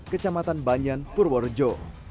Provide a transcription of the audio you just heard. dan banyan purworejo